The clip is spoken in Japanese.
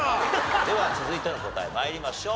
では続いての答え参りましょう。